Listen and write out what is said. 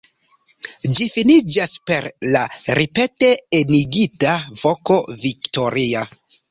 Ĝi finiĝas per la ripete enigita voko „Viktoria!“.